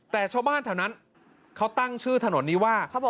แต่ชาวบ้านแถวนั้นเขาตั้งชื่อถนนนี้ว่า